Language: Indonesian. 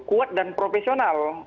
kuat dan profesional